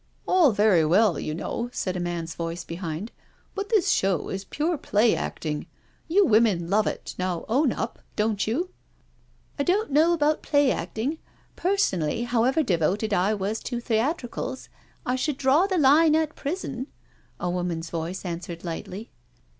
" All very well, you know/' said a man's voice behind, " but this show is pure play acting. You women love it— now own up, don't you?" " I don't know about play acting — personally, how ever devoted I .was to theatricals,* I should draw the line at prison," a woman's voice answered lightly.